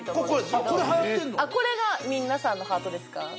これが皆さんのハートですか？